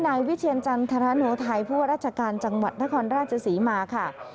นายวิเชียรจันทรโนไทยผู้ว่าราชการจังหวัดนครราชศรีมาค่ะ